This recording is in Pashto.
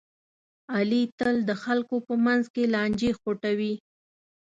علي تل د خلکو په منځ کې لانجې خوټوي.